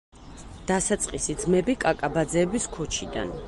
დასაწყისი ძმები კაკაბაძეების ქუჩიდან.